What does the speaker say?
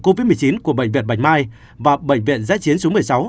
covid một mươi chín của bệnh viện bạch mai và bệnh viện giã chiến số một mươi sáu